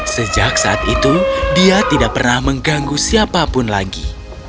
sejak saat itu dia tidak pernah mengganggu siapapun lagi